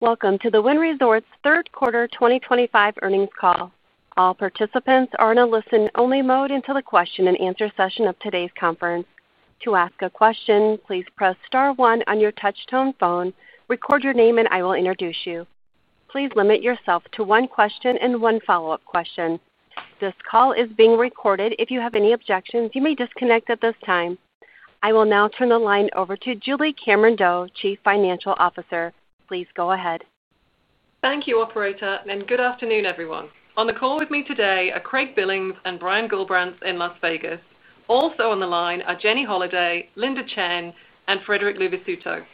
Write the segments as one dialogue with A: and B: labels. A: Welcome to the Wynn Resorts third quarter 2025 earnings call. All participants are in a listen-only mode until the question-and-answer session of today's conference. To ask a question, please press star one on your touch-tone phone, record your name, and I will introduce you. Please limit yourself to one question and one follow-up question. This call is being recorded. If you have any objections, you may disconnect at this time. I will now turn the line over to Julie Cameron-Doe, Chief Financial Officer. Please go ahead.
B: Thank you, Operator, and good afternoon, everyone. On the call with me today are Craig Billings and Brian Gullbrant in Las Vegas. Also on the line are Jenny Holaday, Linda Chen, and Frederic Luvisutto.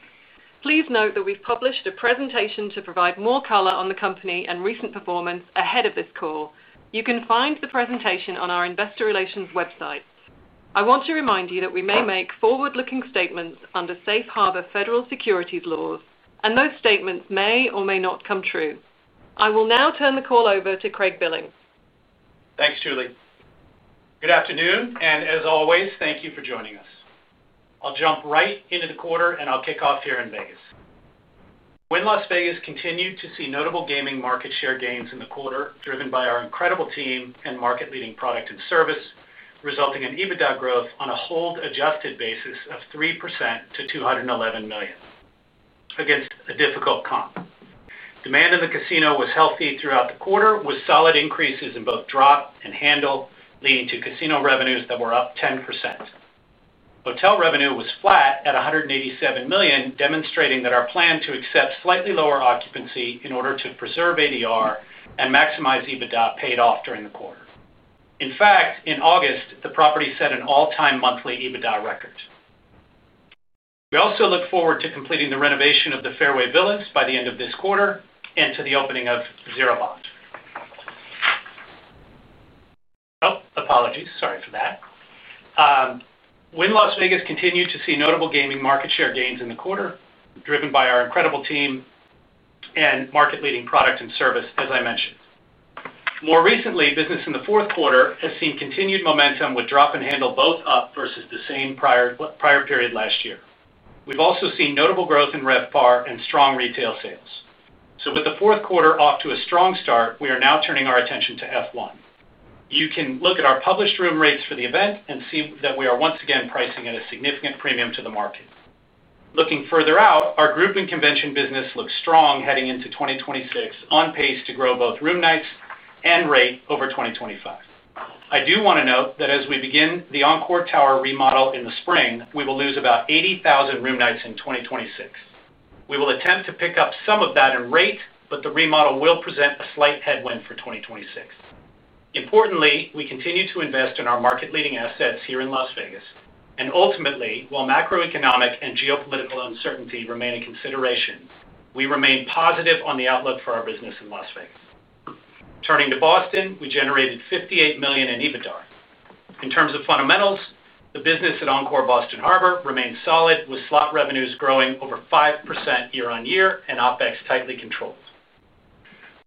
B: Please note that we've published a presentation to provide more color on the company and recent performance ahead of this call. You can find the presentation on our investor relations website. I want to remind you that we may make forward-looking statements under safe harbor federal securities laws, and those statements may or may not come true. I will now turn the call over to Craig Billings.
C: Thanks, Julie. Good afternoon, and as always, thank you for joining us. I'll jump right into the quarter, and I'll kick off here in Vegas. Wynn Las Vegas continued to see notable gaming market share gains in the quarter, driven by our incredible team and market-leading product and service, resulting in EBITDA growth on a hold-adjusted basis of 3% to $211 million. Against a difficult comp, demand in the casino was healthy throughout the quarter, with solid increases in both drop and handle, leading to casino revenues that were up 10%. Hotel revenue was flat at $187 million, demonstrating that our plan to accept slightly lower occupancy in order to preserve ADR and maximize EBITDA paid off during the quarter. In fact, in August, the property set an all-time monthly EBITDA record. We also look forward to completing the renovation of the Fairway Villas by the end of this quarter and to the opening of Zero Bond. Oh, apologies. Sorry for that. Wynn Las Vegas continued to see notable gaming market share gains in the quarter, driven by our incredible team and market-leading product and service, as I mentioned. More recently, business in the fourth quarter has seen continued momentum with drop and handle both up versus the same prior period last year. We've also seen notable growth in RevPAR and strong retail sales. With the fourth quarter off to a strong start, we are now turning our attention to F1. You can look at our published room rates for the event and see that we are once again pricing at a significant premium to the market. Looking further out, our group and convention business looks strong heading into 2026, on pace to grow both room nights and rate over 2025. I do want to note that as we begin the Encore Tower remodel in the spring, we will lose about 80,000 room nights in 2026. We will attempt to pick up some of that in rate, but the remodel will present a slight headwind for 2026. Importantly, we continue to invest in our market-leading assets here in Las Vegas. Ultimately, while macroeconomic and geopolitical uncertainty remain a consideration, we remain positive on the outlook for our business in Las Vegas. Turning to Boston, we generated $58 million in EBITDA. In terms of fundamentals, the business at Encore Boston Harbor remains solid, with slot revenues growing over 5% year-on-year and OPEX tightly controlled.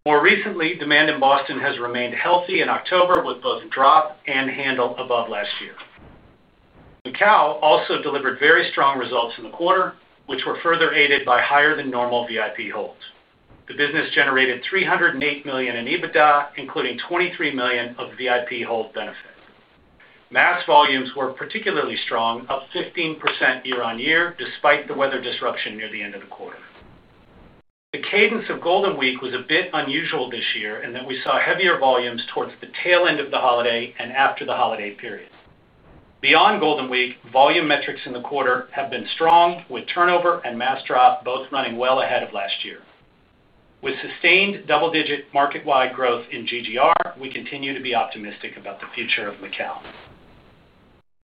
C: More recently, demand in Boston has remained healthy in October, with both drop and handle above last year. Macau also delivered very strong results in the quarter, which were further aided by higher-than-normal VIP holds. The business generated $308 million in EBITDA, including $23 million of VIP hold benefits. Mass volumes were particularly strong, up 15% year-on-year, despite the weather disruption near the end of the quarter. The cadence of Golden Week was a bit unusual this year in that we saw heavier volumes towards the tail end of the holiday and after the holiday period. Beyond Golden Week, volume metrics in the quarter have been strong, with turnover and mass drop both running well ahead of last year. With sustained double-digit market-wide growth in GGR, we continue to be optimistic about the future of Macau.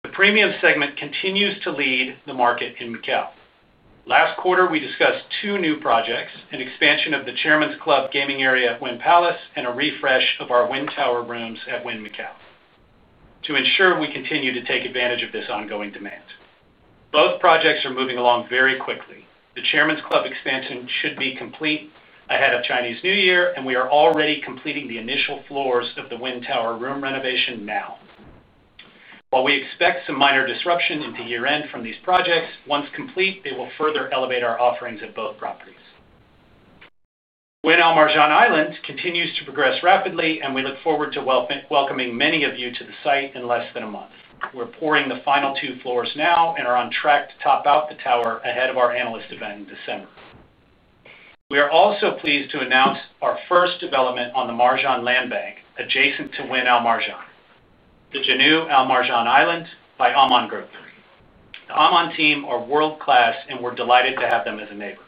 C: The premium segment continues to lead the market in Macau. Last quarter, we discussed two new projects: an expansion of the Chairman's Club gaming area at Wynn Palace and a refresh of our Wynn Tower rooms at Wynn Macau. To ensure we continue to take advantage of this ongoing demand. Both projects are moving along very quickly. The Chairman's Club expansion should be complete ahead of Chinese New Year, and we are already completing the initial floors of the Wynn Tower room renovation now. While we expect some minor disruption into year-end from these projects, once complete, they will further elevate our offerings at both properties. Wynn Al Marjan Island continues to progress rapidly, and we look forward to welcoming many of you to the site in less than a month. We're pouring the final two floors now and are on track to top out the tower ahead of our analyst event in December. We are also pleased to announce our first development on the Marjan Land Bank, adjacent to Wynn Al Marjan: the Janui Al Marjan Island by Aman Group. The Aman team are world-class, and we're delighted to have them as a neighbor.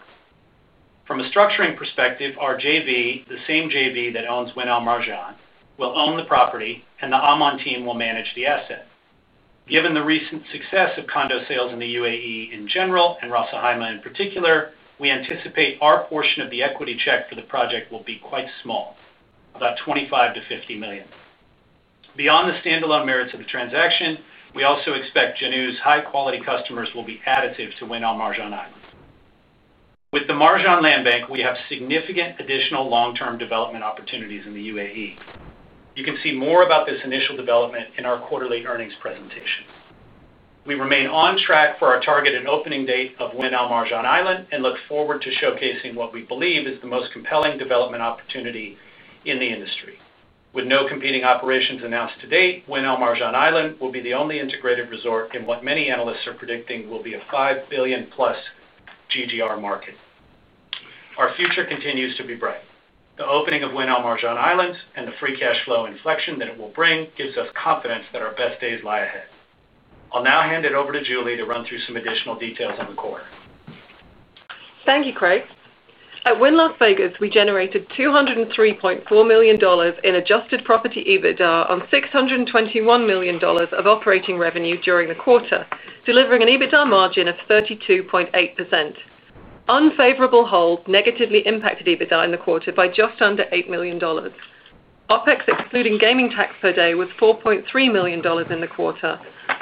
C: From a structuring perspective, our JV, the same JV that owns Wynn Al Marjan, will own the property, and the Aman team will manage the asset. Given the recent success of condo sales in the UAE in general and Ras Al Khaimah in particular, we anticipate our portion of the equity check for the project will be quite small, about $25 million-$50 million. Beyond the standalone merits of the transaction, we also expect Janui's high-quality customers will be additive to Wynn Al Marjan Island. With the Marjan Land Bank, we have significant additional long-term development opportunities in the UAE. You can see more about this initial development in our quarterly earnings presentation. We remain on track for our targeted opening date of Wynn Al Marjan Island and look forward to showcasing what we believe is the most compelling development opportunity in the industry. With no competing operations announced to date, Wynn Al Marjan Island will be the only integrated resort in what many analysts are predicting will be a $5 billion-plus GGR market. Our future continues to be bright. The opening of Wynn Al Marjan Island and the free cash flow inflection that it will bring gives us confidence that our best days lie ahead. I'll now hand it over to Julie to run through some additional details on the quarter.
B: Thank you, Craig. At Wynn Las Vegas, we generated $203.4 million in adjusted property EBITDA on $621 million of operating revenue during the quarter, delivering an EBITDA margin of 32.8%. Unfavorable hold negatively impacted EBITDA in the quarter by just under $8 million. OPEX, excluding gaming tax per day, was $4.3 million in the quarter,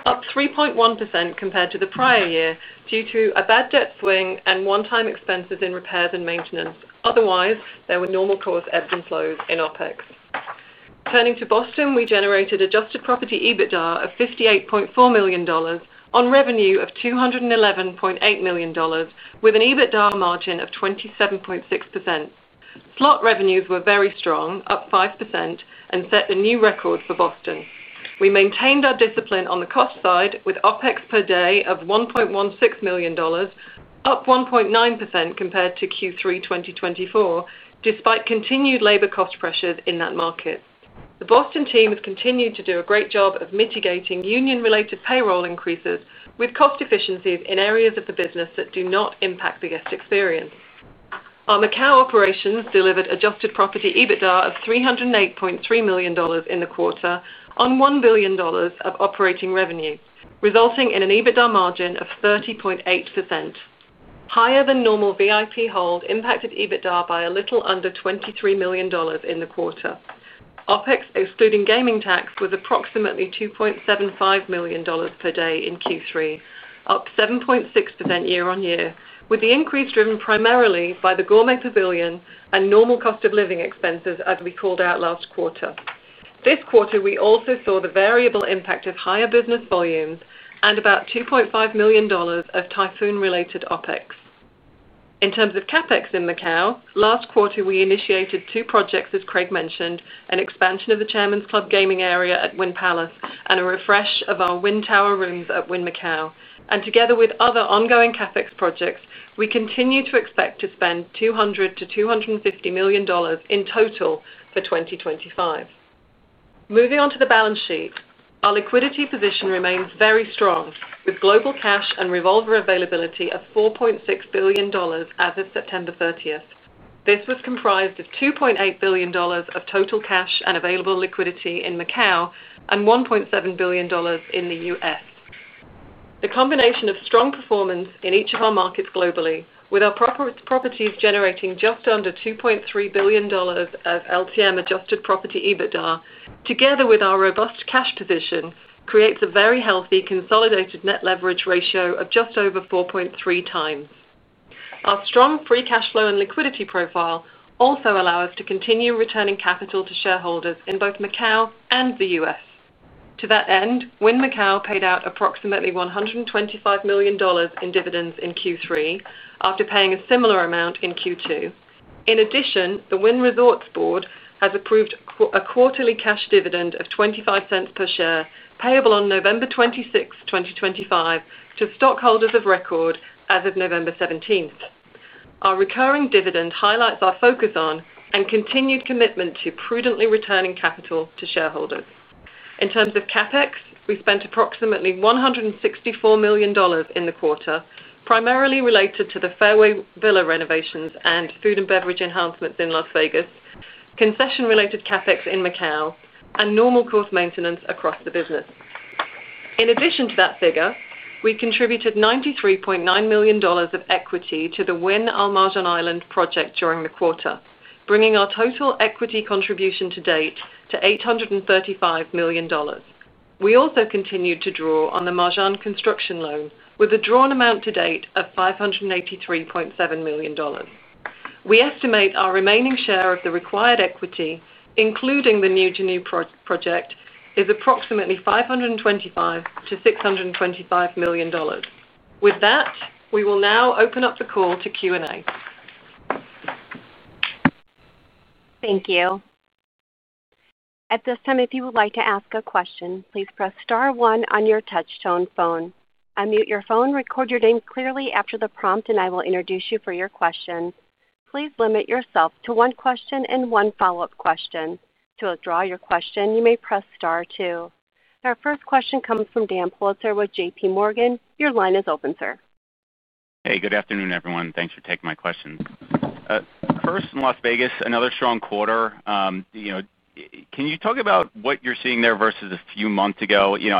B: up 3.1% compared to the prior year due to a bad debt swing and one-time expenses in repairs and maintenance. Otherwise, there were normal cause ebbs and flows in OPEX. Turning to Boston, we generated adjusted property EBITDA of $58.4 million on revenue of $211.8 million, with an EBITDA margin of 27.6%. Slot revenues were very strong, up 5%, and set a new record for Boston. We maintained our discipline on the cost side, with OPEX per day of $1.16 million, up 1.9% compared to Q3 2024, despite continued labor cost pressures in that market. The Boston team has continued to do a great job of mitigating union-related payroll increases with cost efficiencies in areas of the business that do not impact the guest experience. Our Macau operations delivered adjusted property EBITDA of $308.3 million in the quarter on $1 billion of operating revenue, resulting in an EBITDA margin of 30.8%. Higher-than-normal VIP hold impacted EBITDA by a little under $23 million in the quarter. OPEX, excluding gaming tax, was approximately $2.75 million per day in Q3, up 7.6% year-on-year, with the increase driven primarily by the Gourmet Pavilion and normal cost of living expenses, as we called out last quarter. This quarter, we also saw the variable impact of higher business volumes and about $2.5 million of typhoon-related OPEX. In terms of CAPEX in Macau, last quarter, we initiated two projects, as Craig mentioned, an expansion of the Chairman's Club gaming area at Wynn Palace and a refresh of our Wynn Tower rooms at Wynn Macau. Together with other ongoing CAPEX projects, we continue to expect to spend $200 million-$250 million in total for 2025. Moving on to the balance sheet, our liquidity position remains very strong, with global cash and revolver availability of $4.6 billion as of September 30. This was comprised of $2.8 billion of total cash and available liquidity in Macau and $1.7 billion in the US. The combination of strong performance in each of our markets globally, with our properties generating just under $2.3 billion of LTM adjusted property EBITDA, together with our robust cash position, creates a very healthy consolidated net leverage ratio of just over 4.3 times. Our strong free cash flow and liquidity profile also allow us to continue returning capital to shareholders in both Macau and the U.S. To that end, Wynn Macau paid out approximately $125 million in dividends in Q3 after paying a similar amount in Q2. In addition, the Wynn Resorts Board has approved a quarterly cash dividend of $0.25 per share, payable on November 26, 2025, to stockholders of record as of November 17th. Our recurring dividend highlights our focus on and continued commitment to prudently returning capital to shareholders. In terms of CAPEX, we spent approximately $164 million in the quarter, primarily related to the Fairway Villa renovations and food and beverage enhancements in Las Vegas, concession-related CAPEX in Macau, and normal cost maintenance across the business. In addition to that figure, we contributed $93.9 million of equity to the Wynn Al Marjan Island project during the quarter, bringing our total equity contribution to date to $835 million. We also continued to draw on the Marjan Construction Loan, with a drawn amount to date of $583.7 million. We estimate our remaining share of the required equity, including the new Janui project, is approximately $525 million-$625 million. With that, we will now open up the call to Q&A.
A: Thank you. At this time, if you would like to ask a question, please press star one on your touch-tone phone. Unmute your phone, record your name clearly after the prompt, and I will introduce you for your question. Please limit yourself to one question and one follow-up question. To withdraw your question, you may press star two. Our first question comes from Dan Politzer with JPMorgan. Your line is open, sir.
D: Hey, good afternoon, everyone. Thanks for taking my question. First, Las Vegas, another strong quarter. Can you talk about what you're seeing there versus a few months ago? You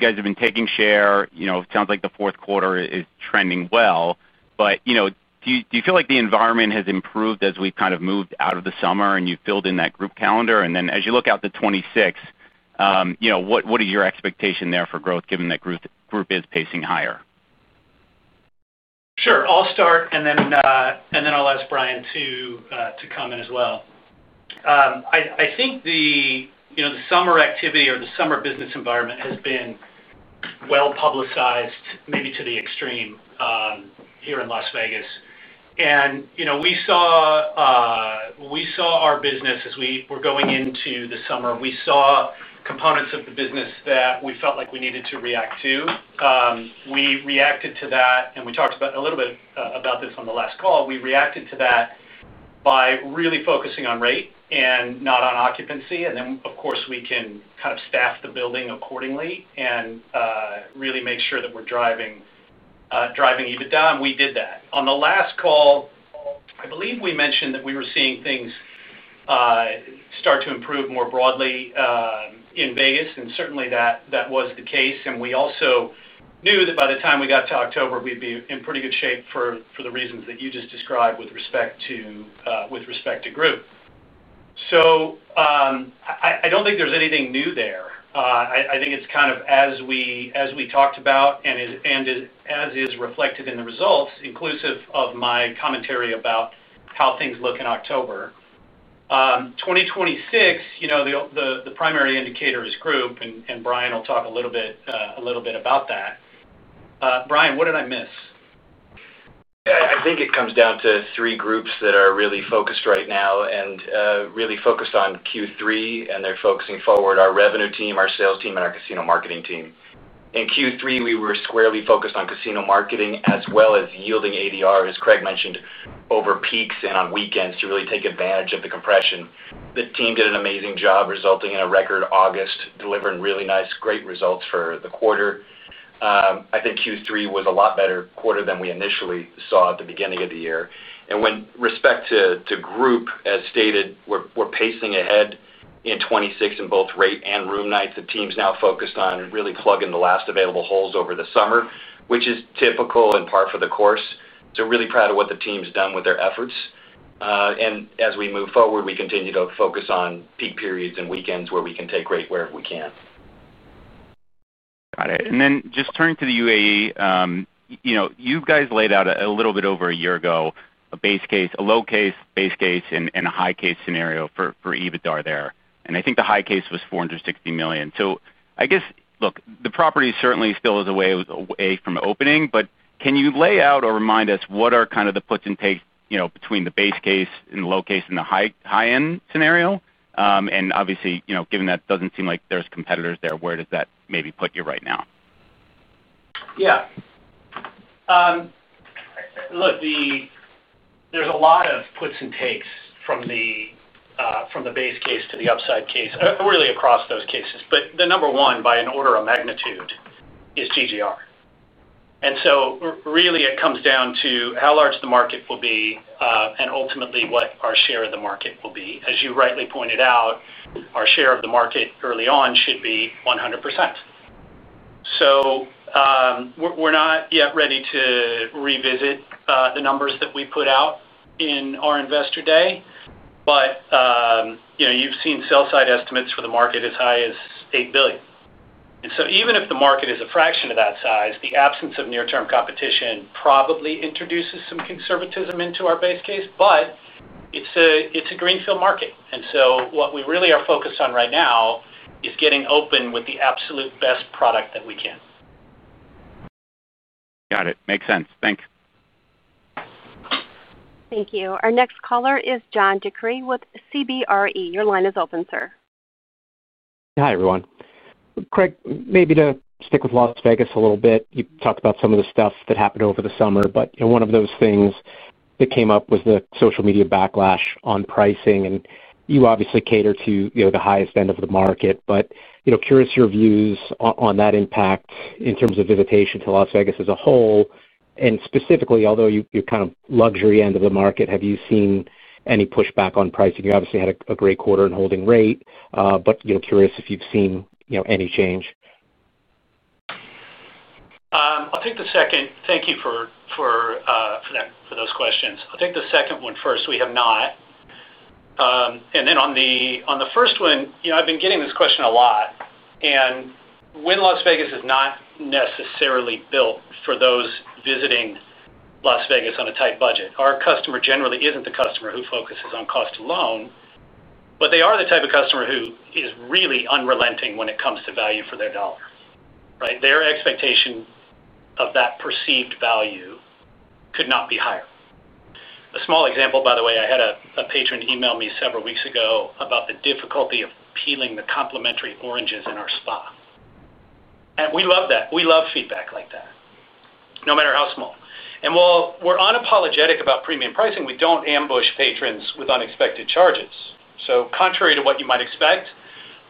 D: guys have been taking share. It sounds like the fourth quarter is trending well. Do you feel like the environment has improved as we've kind of moved out of the summer and you've filled in that group calendar? As you look out to 2026, what is your expectation there for growth, given that group is pacing higher?
C: Sure. I'll start, and then I'll ask Brian to come in as well. I think the summer activity or the summer business environment has been well publicized, maybe to the extreme, here in Las Vegas. We saw our business as we were going into the summer, we saw components of the business that we felt like we needed to react to. We reacted to that, and we talked a little bit about this on the last call. We reacted to that by really focusing on rate and not on occupancy. Of course, we can kind of staff the building accordingly and really make sure that we're driving EBITDA, and we did that. On the last call, I believe we mentioned that we were seeing things start to improve more broadly in Vegas, and certainly that was the case. We also knew that by the time we got to October, we'd be in pretty good shape for the reasons that you just described with respect to group. I don't think there's anything new there. I think it's kind of as we talked about and as is reflected in the results, inclusive of my commentary about how things look in October 2026. The primary indicator is group, and Brian will talk a little bit about that. Brian, what did I miss?
E: I think it comes down to three groups that are really focused right now and really focused on Q3, and they're focusing forward: our revenue team, our sales team, and our casino marketing team. In Q3, we were squarely focused on casino marketing as well as yielding ADR, as Craig mentioned, over peaks and on weekends to really take advantage of the compression. The team did an amazing job, resulting in a record August, delivering really nice, great results for the quarter. I think Q3 was a lot better quarter than we initially saw at the beginning of the year. With respect to group, as stated, we're pacing ahead in 2026 in both rate and room nights. The team's now focused on really plugging the last available holes over the summer, which is typical and par for the course. Really proud of what the team's done with their efforts. As we move forward, we continue to focus on peak periods and weekends where we can take rate wherever we can.
D: Got it. And then just turning to the UAE. You guys laid out a little bit over a year ago a low-case, base case, and a high-case scenario for EBITDA there. And I think the high case was $460 million. So I guess, look, the property certainly still is a way away from opening, but can you lay out or remind us what are kind of the puts and takes between the base case and the low case and the high-end scenario? And obviously, given that it does not seem like there are competitors there, where does that maybe put you right now?
C: Yeah. Look. There's a lot of puts and takes from the base case to the upside case, really across those cases. The number one, by an order of magnitude, is GGR. It comes down to how large the market will be and ultimately what our share of the market will be. As you rightly pointed out, our share of the market early on should be 100%. We're not yet ready to revisit the numbers that we put out in our investor day. You've seen sell-side estimates for the market as high as $8 billion. Even if the market is a fraction of that size, the absence of near-term competition probably introduces some conservatism into our base case. It's a greenfield market. What we really are focused on right now is getting open with the absolute best product that we can.
D: Got it. Makes sense. Thanks.
A: Thank you. Our next caller is John DeCree with CBRE. Your line is open, sir.
F: Hi, everyone. Craig, maybe to stick with Las Vegas a little bit, you talked about some of the stuff that happened over the summer. One of those things that came up was the social media backlash on pricing. You obviously cater to the highest end of the market. Curious your views on that impact in terms of visitation to Las Vegas as a whole. Specifically, although you're kind of the luxury end of the market, have you seen any pushback on pricing? You obviously had a great quarter in holding rate, but curious if you've seen any change.
C: I'll take the second. Thank you for those questions. I'll take the second one first. We have not. On the first one, I've been getting this question a lot. Wynn Las Vegas is not necessarily built for those visiting Las Vegas on a tight budget. Our customer generally isn't the customer who focuses on cost alone, but they are the type of customer who is really unrelenting when it comes to value for their dollar, right? Their expectation of that perceived value could not be higher. A small example, by the way, I had a patron email me several weeks ago about the difficulty of peeling the complimentary oranges in our spa. We love that. We love feedback like that, no matter how small. While we're unapologetic about premium pricing, we don't ambush patrons with unexpected charges. Contrary to what you might expect,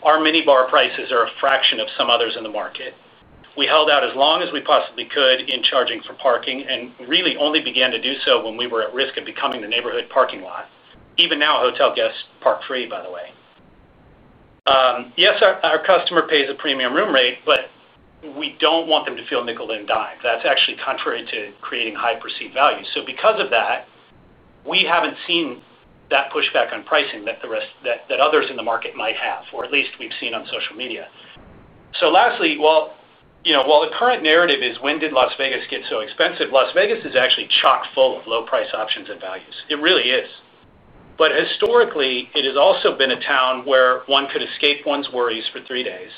C: our minibar prices are a fraction of some others in the market. We held out as long as we possibly could in charging for parking and really only began to do so when we were at risk of becoming the neighborhood parking lot. Even now, hotel guests park free, by the way. Yes, our customer pays a premium room rate, but we do not want them to feel nickeled and dimed. That is actually contrary to creating high perceived value. Because of that, we have not seen that pushback on pricing that others in the market might have, or at least we have seen on social media. Lastly, while the current narrative is, "When did Las Vegas get so expensive?" Las Vegas is actually chock-full of low-price options and values. It really is. Historically, it has also been a town where one could escape one's worries for three days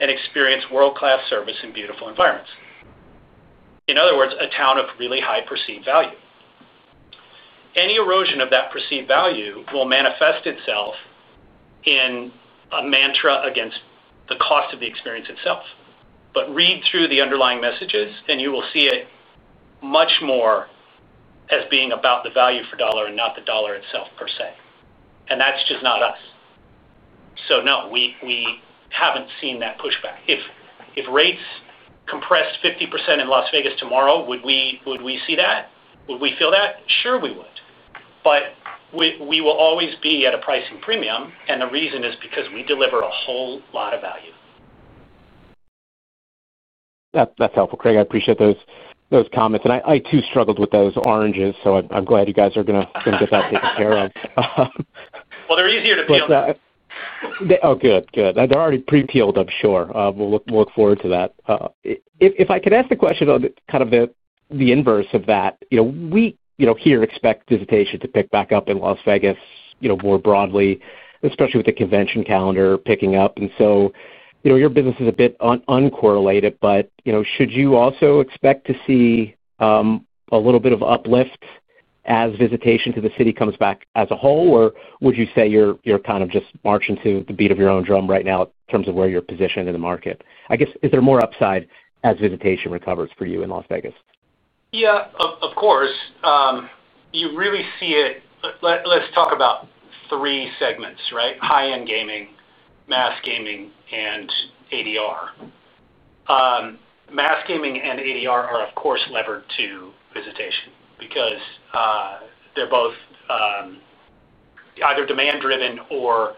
C: and experience world-class service in beautiful environments. In other words, a town of really high perceived value. Any erosion of that perceived value will manifest itself in a mantra against the cost of the experience itself. Read through the underlying messages, and you will see it much more as being about the value for dollar and not the dollar itself per se. That is just not us. No, we have not seen that pushback. If rates compressed 50% in Las Vegas tomorrow, would we see that? Would we feel that? Sure, we would. We will always be at a pricing premium, and the reason is because we deliver a whole lot of value.
F: That's helpful, Craig. I appreciate those comments. I too struggled with those oranges, so I'm glad you guys are going to get that taken care of.
C: They're easier to peel.
F: Oh, good. Good. They're already pre-peeled, I'm sure. We'll look forward to that. If I could ask the question on kind of the inverse of that. We here expect visitation to pick back up in Las Vegas more broadly, especially with the convention calendar picking up. Your business is a bit uncorrelated, but should you also expect to see a little bit of uplift as visitation to the city comes back as a whole, or would you say you're kind of just marching to the beat of your own drum right now in terms of where you're positioned in the market? I guess, is there more upside as visitation recovers for you in Las Vegas?
C: Yeah, of course. You really see it. Let's talk about three segments, right? High-end gaming, mass gaming, and ADR. Mass gaming and ADR are, of course, levered to visitation because they're both either demand-driven or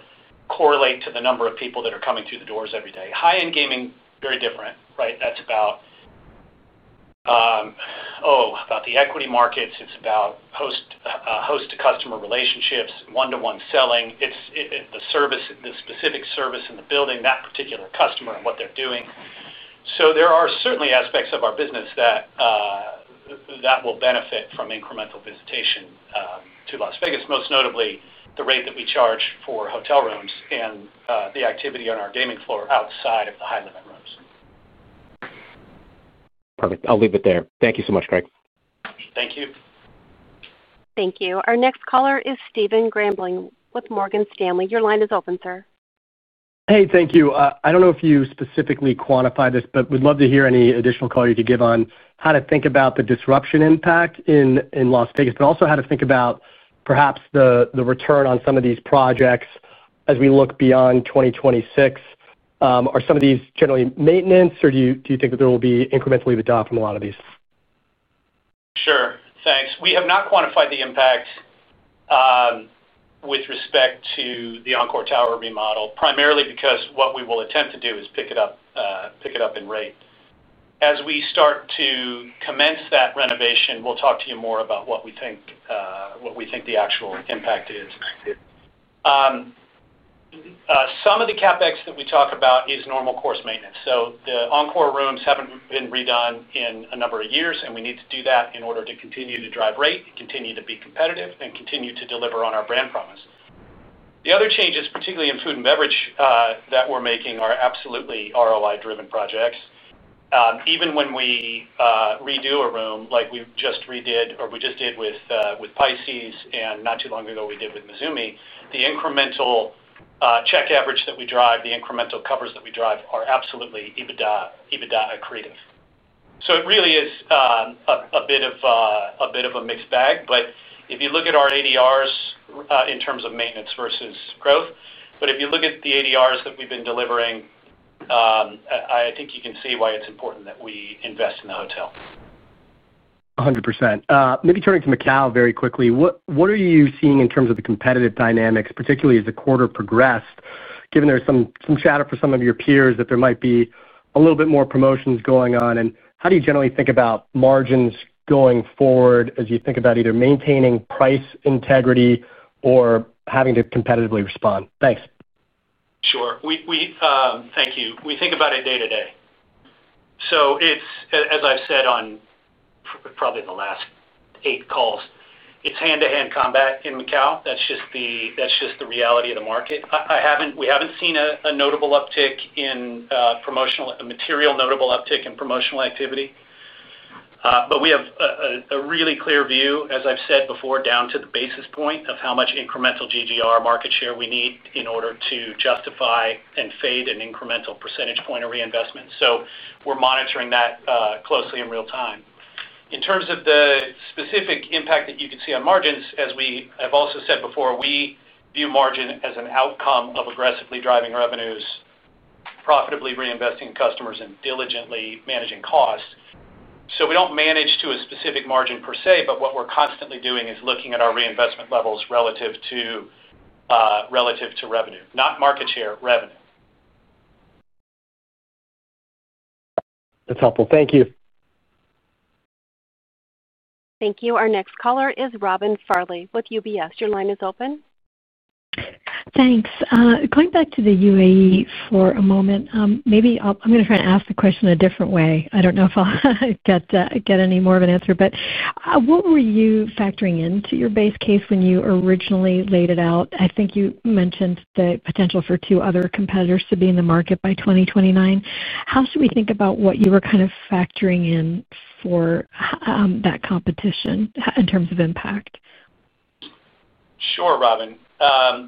C: correlate to the number of people that are coming through the doors every day. High-end gaming, very different, right? That's about, oh, about the equity markets. It's about host-to-customer relationships, one-to-one selling, the specific service in the building, that particular customer, and what they're doing. There are certainly aspects of our business that will benefit from incremental visitation to Las Vegas, most notably the rate that we charge for hotel rooms and the activity on our gaming floor outside of the high-limit rooms.
F: Perfect. I'll leave it there. Thank you so much, Craig.
C: Thank you.
A: Thank you. Our next caller is Stephen Grambling with Morgan Stanley. Your line is open, sir.
G: Hey, thank you. I do not know if you specifically quantify this, but we would love to hear any additional color you could give on how to think about the disruption impact in Las Vegas, but also how to think about perhaps the return on some of these projects as we look beyond 2026. Are some of these generally maintenance, or do you think that there will be incremental EBITDA from a lot of these?
C: Sure. Thanks. We have not quantified the impact. With respect to the Encore Tower remodel, primarily because what we will attempt to do is pick it up in rate. As we start to commence that renovation, we'll talk to you more about what we think the actual impact is. Some of the CapEx that we talk about is normal course maintenance. The Encore rooms haven't been redone in a number of years, and we need to do that in order to continue to drive rate, continue to be competitive, and continue to deliver on our brand promise. The other changes, particularly in food and beverage that we're making, are absolutely ROI-driven projects. Even when we redo a room like we just redid or we just did with Pisces, and not too long ago, we did with Mizumi, the incremental. Check average that we drive, the incremental covers that we drive are absolutely EBITDA accretive. It really is a bit of a mixed bag. If you look at our ADRs in terms of maintenance versus growth, if you look at the ADRs that we've been delivering, I think you can see why it's important that we invest in the hotel.
G: 100%. Maybe turning to Macau very quickly, what are you seeing in terms of the competitive dynamics, particularly as the quarter progressed, given there's some chatter for some of your peers that there might be a little bit more promotions going on? How do you generally think about margins going forward as you think about either maintaining price integrity or having to competitively respond? Thanks.
C: Sure. Thank you. We think about it day to day. As I've said on probably the last eight calls, it's hand-to-hand combat in Macau. That's just the reality of the market. We haven't seen a notable uptick in material, notable uptick in promotional activity. We have a really clear view, as I've said before, down to the basis point of how much incremental GGR market share we need in order to justify and fade an incremental percentage point of reinvestment. We're monitoring that closely in real time. In terms of the specific impact that you can see on margins, as I've also said before, we view margin as an outcome of aggressively driving revenues, profitably reinvesting customers, and diligently managing costs. We don't manage to a specific margin per se, but what we're constantly doing is looking at our reinvestment levels relative to revenue. Not market share, revenue.
G: That's helpful. Thank you.
A: Thank you. Our next caller is Robin Farley with UBS. Your line is open.
H: Thanks. Going back to the UAE for a moment, maybe I'm going to try and ask the question a different way. I don't know if I'll get any more of an answer. What were you factoring into your base case when you originally laid it out? I think you mentioned the potential for two other competitors to be in the market by 2029. How should we think about what you were kind of factoring in for that competition in terms of impact?
C: Sure, Robin.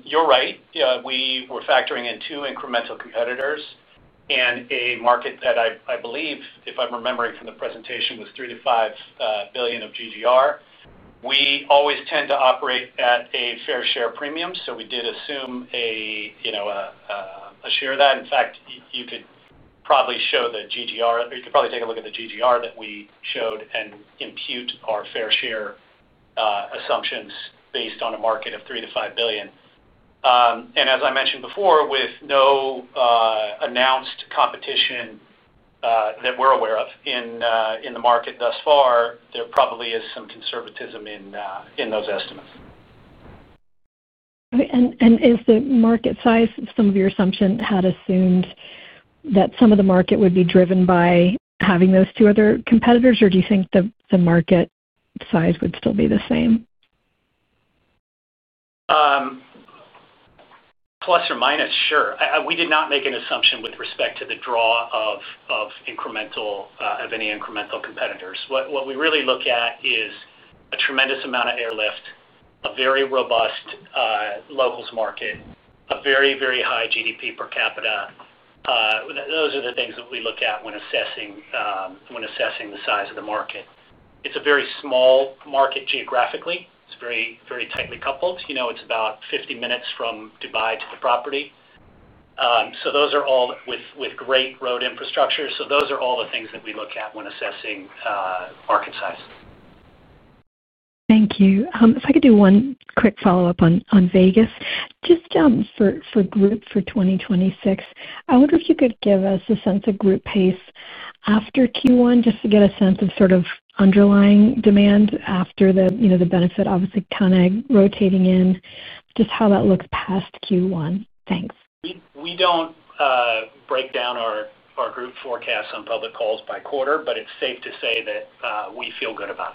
C: You're right. We were factoring in two incremental competitors and a market that I believe, if I'm remembering from the presentation, was $3 billion-$5 billion of GGR. We always tend to operate at a fair share premium. So we did assume a share of that. In fact, you could probably show the GGR or you could probably take a look at the GGR that we showed and impute our fair share assumptions based on a market of $3 billion-$5 billion. As I mentioned before, with no announced competition that we're aware of in the market thus far, there probably is some conservatism in those estimates.
H: Is the market size some of your assumption? Had assumed that some of the market would be driven by having those two other competitors, or do you think the market size would still be the same?
C: Plus or minus, sure. We did not make an assumption with respect to the draw of any incremental competitors. What we really look at is a tremendous amount of airlift, a very robust locals market, a very, very high GDP per capita. Those are the things that we look at when assessing the size of the market. It is a very small market geographically. It is very tightly coupled. It is about 50 minutes from Dubai to the property. Those are all with great road infrastructure. Those are all the things that we look at when assessing market size.
H: Thank you. If I could do one quick follow-up on Vegas, just for group for 2026, I wonder if you could give us a sense of group pace after Q1, just to get a sense of sort of underlying demand after the benefit, obviously, kind of rotating in just how that looks past Q1. Thanks.
C: We don't break down our group forecasts on public calls by quarter, but it's safe to say that we feel good about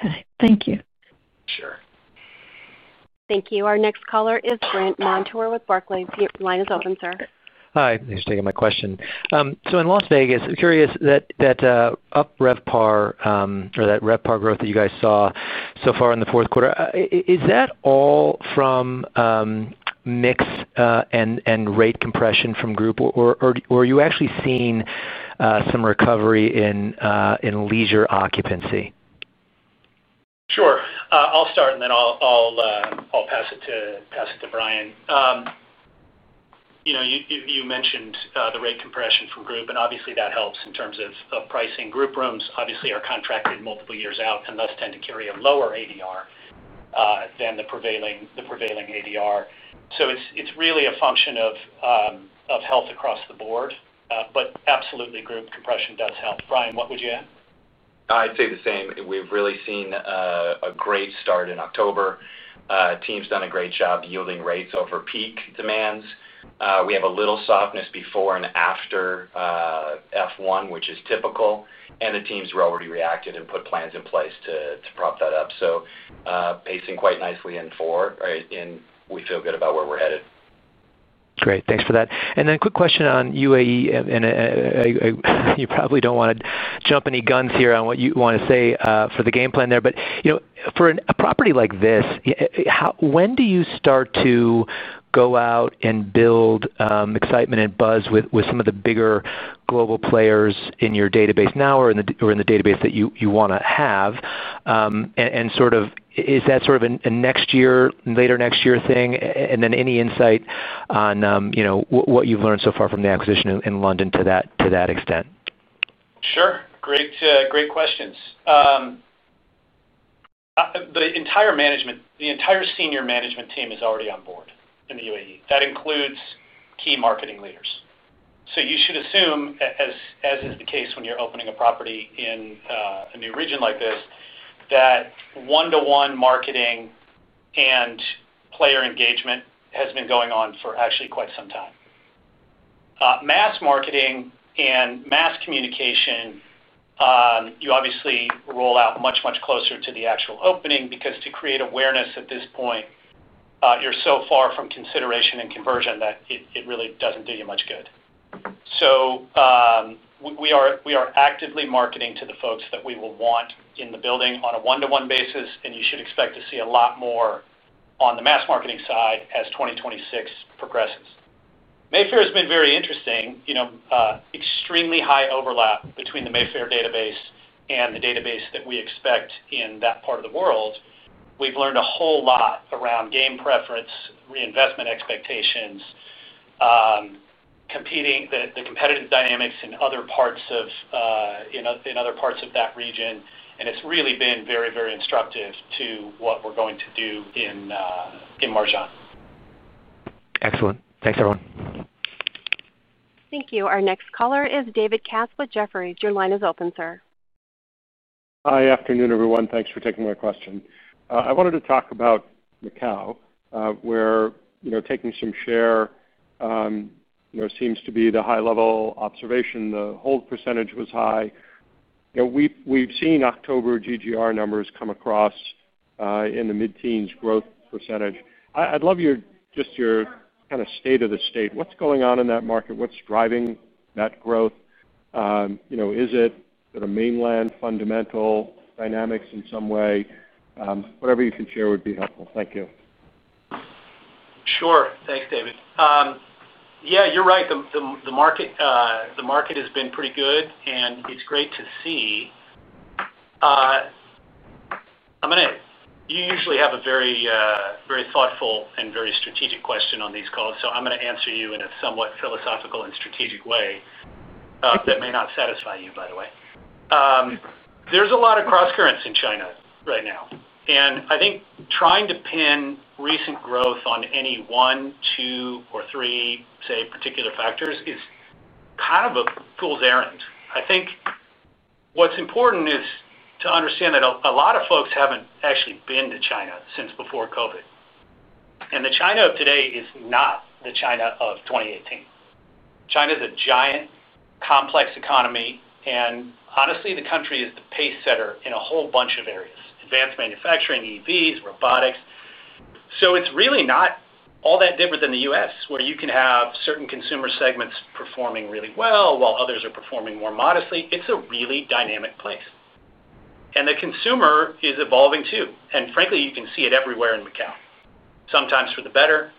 C: it.
H: Okay. Thank you.
C: Sure.
A: Thank you. Our next caller is Brandt Montour with Barclays. Your line is open, sir.
I: Hi. Thanks for taking my question. In Las Vegas, curious that up RevPAR or that RevPAR growth that you guys saw so far in the fourth quarter, is that all from mix and rate compression from group, or are you actually seeing some recovery in leisure occupancy?
C: Sure. I'll start, and then I'll pass it to Brian. You mentioned the rate compression from group, and obviously, that helps in terms of pricing. Group rooms, obviously, are contracted multiple years out and thus tend to carry a lower ADR than the prevailing ADR. So it's really a function of health across the board, but absolutely, group compression does help. Brian, what would you add?
E: I'd say the same. We've really seen a great start in October. Team's done a great job yielding rates over peak demands. We have a little softness before and after F1, which is typical, and the team's already reacted and put plans in place to prop that up. Pacing quite nicely in four, and we feel good about where we're headed.
J: Great. Thanks for that. Quick question on UAE. You probably do not want to jump any guns here on what you want to say for the game plan there. For a property like this, when do you start to go out and build excitement and buzz with some of the bigger global players in your database now or in the database that you want to have? Is that sort of a later next year thing? Any insight on what you have learned so far from the acquisition in London to that extent?
C: Sure. Great questions. The entire senior management team is already on board in the UAE. That includes key marketing leaders. You should assume, as is the case when you're opening a property in a new region like this, that one-to-one marketing and player engagement has been going on for actually quite some time. Mass marketing and mass communication, you obviously roll out much, much closer to the actual opening because to create awareness at this point, you're so far from consideration and conversion that it really doesn't do you much good. We are actively marketing to the folks that we will want in the building on a one-to-one basis, and you should expect to see a lot more on the mass marketing side as 2026 progresses. Mayfair has been very interesting. Extremely high overlap between the Mayfair database and the database that we expect in that part of the world. We've learned a whole lot around game preference, reinvestment expectations, the competitive dynamics in other parts of that region, and it's really been very, very instructive to what we're going to do in Marjan.
J: Excellent. Thanks, everyone.
A: Thank you. Our next caller is David Katz, Jefferies. Your line is open, sir.
K: Hi, afternoon, everyone. Thanks for taking my question. I wanted to talk about Macau, where taking some share. Seems to be the high-level observation. The hold percentage was high. We've seen October GGR numbers come across. In the mid-teens growth percentage. I'd love just your kind of state of the state. What's going on in that market? What's driving that growth? Is it the mainland? Fundamental dynamics in some way? Whatever you can share would be helpful. Thank you.
C: Sure. Thanks, David. Yeah, you're right. The market has been pretty good, and it's great to see. You usually have a very thoughtful and very strategic question on these calls, so I'm going to answer you in a somewhat philosophical and strategic way. That may not satisfy you, by the way. There's a lot of cross currents in China right now. I think trying to pin recent growth on any one, two, or three, say, particular factors is kind of a fool's errand. I think what's important is to understand that a lot of folks haven't actually been to China since before COVID. The China of today is not the China of 2018. China is a giant, complex economy, and honestly, the country is the pace setter in a whole bunch of areas: advanced manufacturing, EVs, robotics. It is really not all that different than the U.S., where you can have certain consumer segments performing really well while others are performing more modestly. It is a really dynamic place. The consumer is evolving too. Frankly, you can see it everywhere in Macau. Sometimes for the better,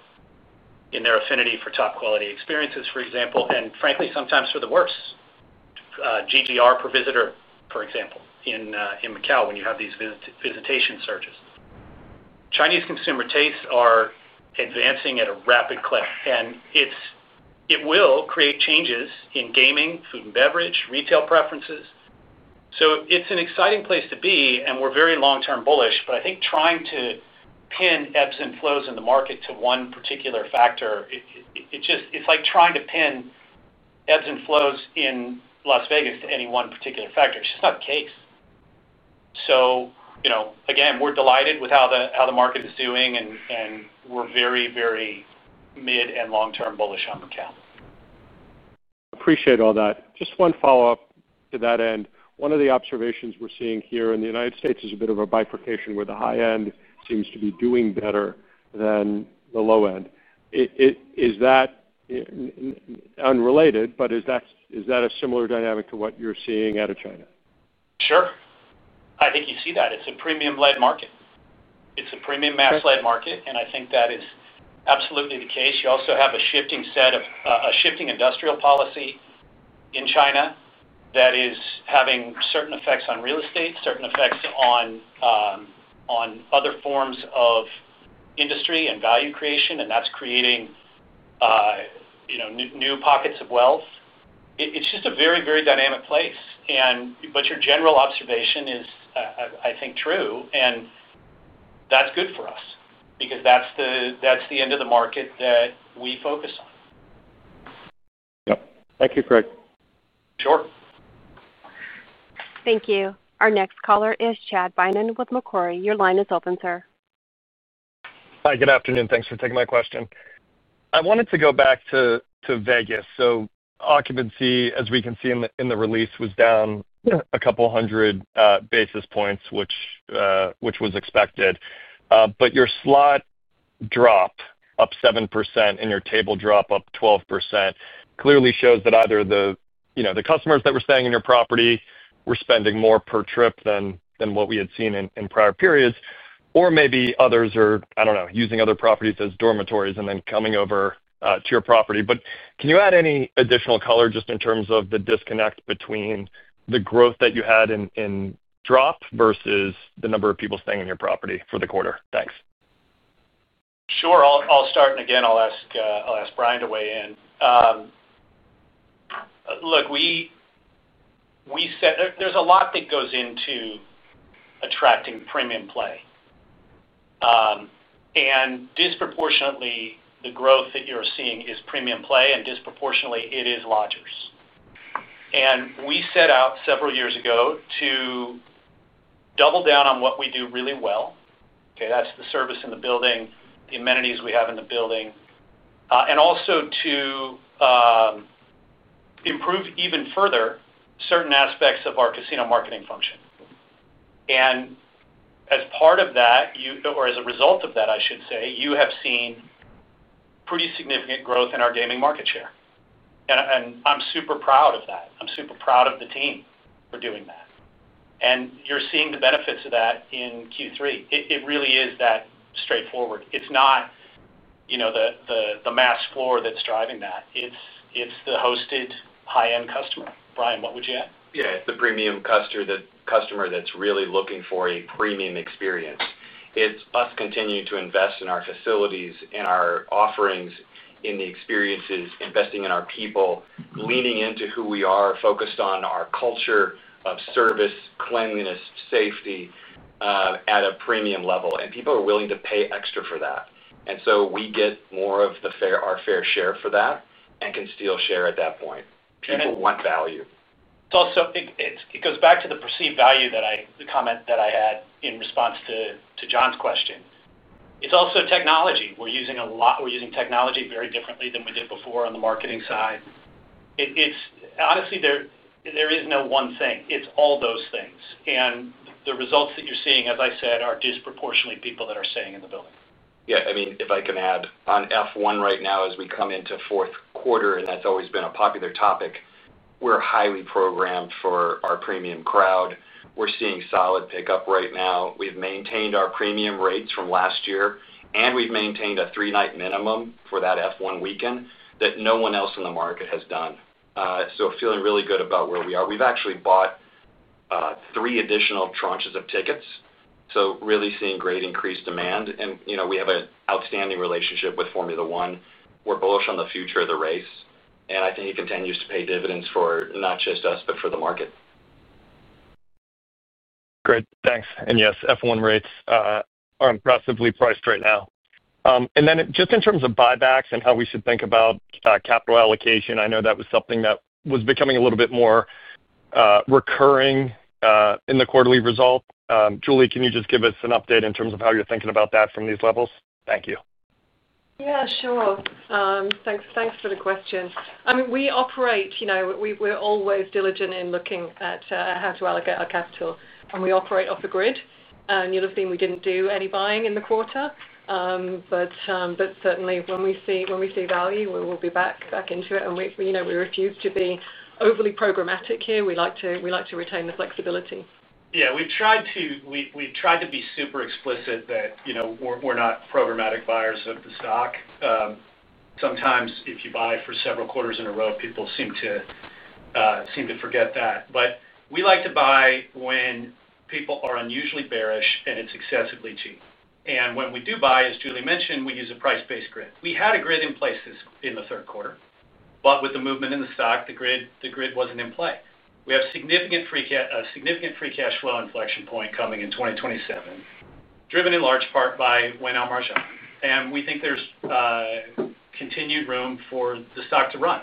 C: in their affinity for top-quality experiences, for example, and frankly, sometimes for the worse. GGR per visitor, for example, in Macau when you have these visitation surges. Chinese consumer tastes are advancing at a rapid clip. It will create changes in gaming, food and beverage, retail preferences. It is an exciting place to be, and we are very long-term bullish. I think trying to pin ebbs and flows in the market to one particular factor, it is like trying to pin ebbs and flows in Las Vegas to any one particular factor. It is just not the case. We're delighted with how the market is doing, and we're very, very mid and long-term bullish on Macau.
K: Appreciate all that. Just one follow-up to that end. One of the observations we're seeing here in the U.S. is a bit of a bifurcation where the high-end seems to be doing better than the low-end. Is that unrelated, but is that a similar dynamic to what you're seeing out of China?
C: Sure. I think you see that. It's a premium-led market. It's a premium mass-led market, and I think that is absolutely the case. You also have a shifting set of a shifting industrial policy in China that is having certain effects on real estate, certain effects on other forms of industry and value creation, and that's creating new pockets of wealth. It's just a very, very dynamic place. Your general observation is, I think, true, and that's good for us because that's the end of the market that we focus on.
K: Yep. Thank you, Craig.
C: Sure.
A: Thank you. Our next caller is Chad Beynon with Macquarie. Your line is open, sir.
L: Hi, good afternoon. Thanks for taking my question. I wanted to go back to Vegas. Occupancy, as we can see in the release, was down a couple hundred basis points, which was expected. Your slot drop up 7% and your table drop up 12% clearly shows that either the customers that were staying in your property were spending more per trip than what we had seen in prior periods, or maybe others are, I do not know, using other properties as dormitories and then coming over to your property. Can you add any additional color just in terms of the disconnect between the growth that you had in drop versus the number of people staying in your property for the quarter? Thanks.
C: Sure. I'll start, and again, I'll ask Brian to weigh in. Look. There's a lot that goes into attracting premium play. And disproportionately, the growth that you're seeing is premium play, and disproportionately, it is lodgers. We set out several years ago to double down on what we do really well. Okay, that's the service in the building, the amenities we have in the building, and also to improve even further certain aspects of our casino marketing function. As part of that, or as a result of that, I should say, you have seen pretty significant growth in our gaming market share. I'm super proud of that. I'm super proud of the team for doing that. You're seeing the benefits of that in Q3. It really is that straightforward. It's not the mass floor that's driving that. It's the hosted high-end customer. Brian, what would you add?
E: Yeah. It's the premium customer that's really looking for a premium experience. It's us continuing to invest in our facilities, in our offerings, in the experiences, investing in our people. Leaning into who we are, focused on our culture of service, cleanliness, safety. At a premium level. People are willing to pay extra for that. We get more of our fair share for that and can steal share at that point. People want value.
C: It goes back to the perceived value comment that I had in response to John's question. It is also technology. We're using technology very differently than we did before on the marketing side. Honestly, there is no one thing. It is all those things. The results that you're seeing, as I said, are disproportionately people that are staying in the building.
E: Yeah. I mean, if I can add, on F1 right now, as we come into fourth quarter, and that's always been a popular topic, we're highly programmed for our premium crowd. We're seeing solid pickup right now. We've maintained our premium rates from last year, and we've maintained a three-night minimum for that F1 weekend that no one else in the market has done. Feeling really good about where we are. We've actually bought three additional tranches of tickets, so really seeing great increased demand. We have an outstanding relationship with Formula One. We're bullish on the future of the race, and I think it continues to pay dividends for not just us, but for the market.
L: Great. Thanks. Yes, F1 rates are impressively priced right now. Just in terms of buybacks and how we should think about capital allocation, I know that was something that was becoming a little bit more recurring in the quarterly result. Julie, can you just give us an update in terms of how you're thinking about that from these levels? Thank you.
B: Yeah, sure. Thanks for the question. I mean, we operate. We're always diligent in looking at how to allocate our capital. We operate off the grid. You'll have seen we didn't do any buying in the quarter. Certainly, when we see value, we will be back into it. We refuse to be overly programmatic here. We like to retain the flexibility.
C: Yeah. We've tried to be super explicit that we're not programmatic buyers of the stock. Sometimes, if you buy for several quarters in a row, people seem to forget that. We like to buy when people are unusually bearish, and it's excessively cheap. When we do buy, as Julie mentioned, we use a price-based grid. We had a grid in place in the third quarter, but with the movement in the stock, the grid wasn't in play. We have a significant free cash flow inflection point coming in 2027, driven in large part by Wynn on Marjan. We think there's continued room for the stock to run.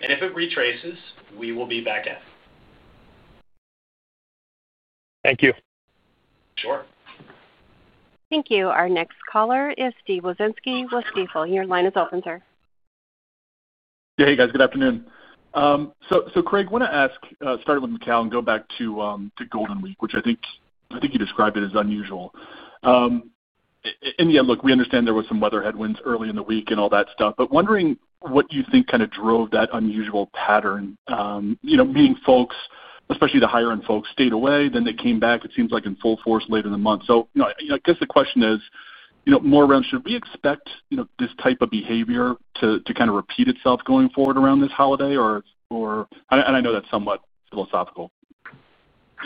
C: If it retraces, we will be back at it.
L: Thank you.
C: Sure.
A: Thank you. Our next caller is Steve Wieczynski with Stifel. Your line is open, sir.
M: Yeah. Hey, guys. Good afternoon. Craig, I want to start with Macau and go back to Golden Week, which I think you described as unusual. In the end, look, we understand there were some weather headwinds early in the week and all that stuff, but wondering what you think kind of drove that unusual pattern. Meaning folks, especially the higher-end folks, stayed away, then they came back, it seems like, in full force later in the month. I guess the question is more around, should we expect this type of behavior to kind of repeat itself going forward around this holiday? I know that's somewhat philosophical.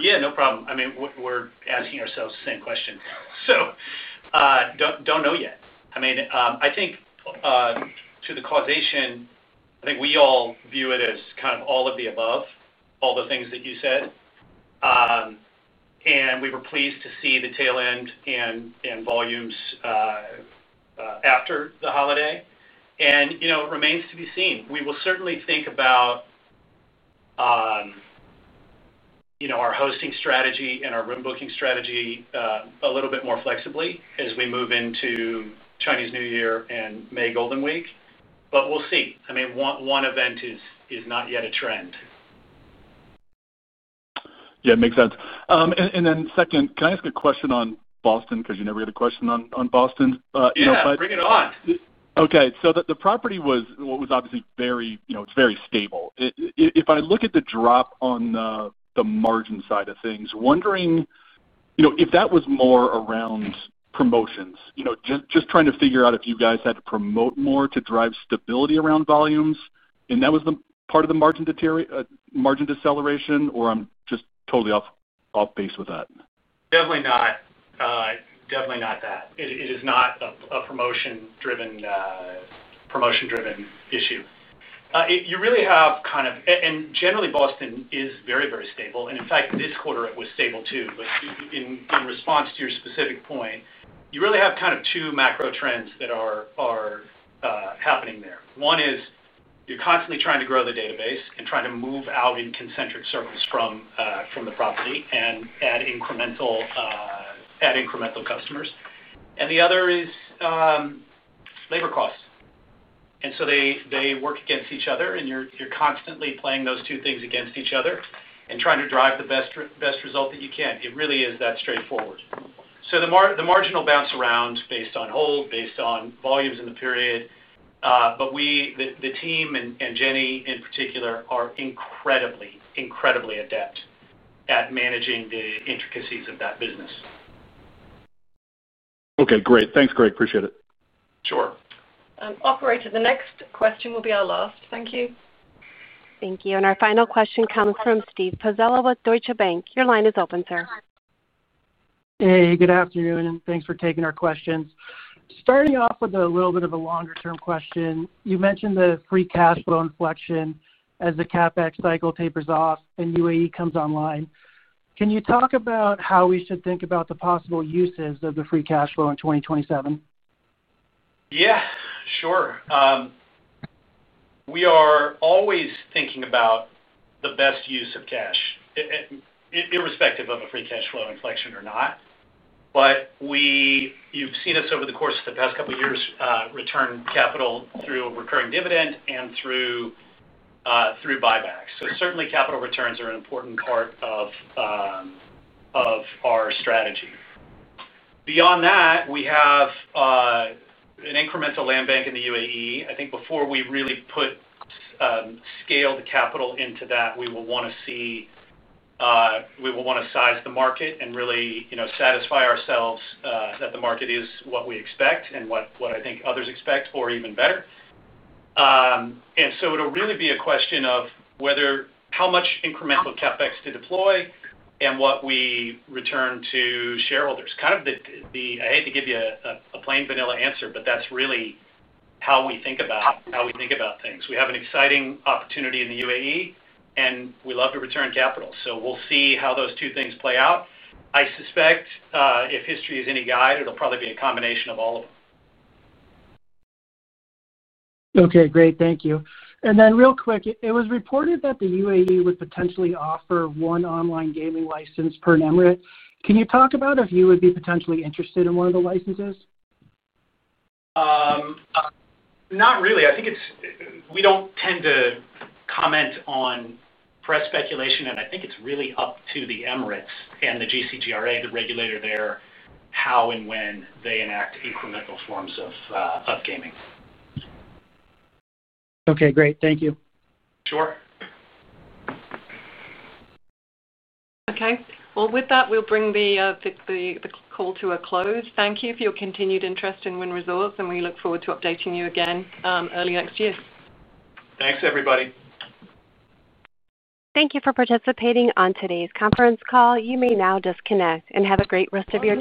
C: Yeah, no problem. I mean, we're asking ourselves the same question. Don't know yet. I mean, I think to the causation, I think we all view it as kind of all of the above, all the things that you said. We were pleased to see the tail end and volumes after the holiday. It remains to be seen. We will certainly think about our hosting strategy and our room booking strategy a little bit more flexibly as we move into Chinese New Year and May Golden Week. We'll see. I mean, one event is not yet a trend.
M: Yeah, makes sense. Then, can I ask a question on Boston? Because you never get a question on Boston.
C: Yeah, bring it on.
M: Okay. The property was obviously very stable. If I look at the drop on the margin side of things, wondering if that was more around promotions, just trying to figure out if you guys had to promote more to drive stability around volumes, and if that was part of the margin deceleration, or I'm just totally off base with that.
C: Definitely not. Definitely not that. It is not a promotion-driven issue. You really have kind of, and generally, Boston is very, very stable. In fact, this quarter, it was stable too. In response to your specific point, you really have kind of two macro trends that are happening there. One is you're constantly trying to grow the database and trying to move out in concentric circles from the property and add incremental customers. The other is labor costs. They work against each other, and you're constantly playing those two things against each other and trying to drive the best result that you can. It really is that straightforward. The marginal bounce around based on hold, based on volumes in the period. The team and Jenny, in particular, are incredibly, incredibly adept at managing the intricacies of that business.
M: Okay. Great. Thanks, Craig. Appreciate it.
C: Sure.
B: I'll operate to the next question. It will be our last. Thank you. Thank you. Our final question comes from Steve Pazella with Deutsche Bank. Your line is open, sir.
N: Hey, good afternoon, and thanks for taking our questions. Starting off with a little bit of a longer-term question, you mentioned the free cash flow inflection as the CapEx cycle tapers off and UAE comes online. Can you talk about how we should think about the possible uses of the free cash flow in 2027?
C: Yeah, sure. We are always thinking about the best use of cash. Irrespective of a free cash flow inflection or not. But you've seen us over the course of the past couple of years return capital through recurring dividend and through buybacks. Certainly, capital returns are an important part of our strategy. Beyond that, we have an incremental land bank in the UAE. I think before we really put scaled capital into that, we will want to see. We will want to size the market and really satisfy ourselves that the market is what we expect and what I think others expect, or even better. It will really be a question of how much incremental CapEx to deploy and what we return to shareholders. Kind of the—I hate to give you a plain vanilla answer, but that's really how we think about things. We have an exciting opportunity in the UAE, and we love to return capital. We'll see how those two things play out. I suspect if history is any guide, it'll probably be a combination of all of them.
N: Okay. Great. Thank you. Then real quick, it was reported that the UAE would potentially offer one online gaming license per emirate. Can you talk about if you would be potentially interested in one of the licenses?
C: Not really. I think we don't tend to comment on press speculation, and I think it's really up to the Emirates and the GCGRA, the regulator there, how and when they enact incremental forms of gaming. Okay. Great. Thank you. Sure.
B: Okay. With that, we'll bring the call to a close. Thank you for your continued interest in Wynn Resorts, and we look forward to updating you again early next year.
C: Thanks, everybody.
A: Thank you for participating on today's conference call. You may now disconnect and have a great rest of your day.